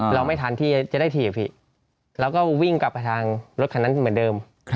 เราไม่ทันที่จะได้ถีบพี่เราก็วิ่งกลับไปทางรถคันนั้นเหมือนเดิม